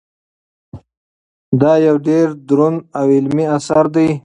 دا یو ډېر دروند او علمي اثر دی.